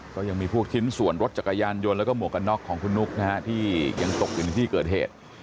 ก็ยังมีพวกชิ้นส่วนรถจักรยานยนต์แล้วก็หมวกกันน็อกของคุณนุ๊กนะฮะที่ยังตกอยู่ในที่เกิดเหตุ